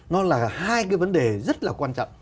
nó là hai cái vấn đề rất là quan trọng